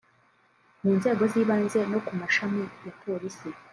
mu nzego z’ibanze no ku mashami ya polisi